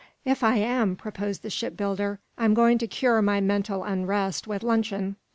"If I am," proposed the shipbuilder, "I'm going to cure my mental unrest with luncheon.